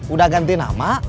udah ganti nama